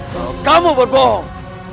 kalau kamu berbohong